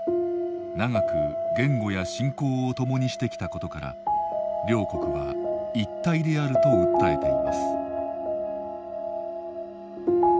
長く言語や信仰をともにしてきたことから両国は一体であると訴えています。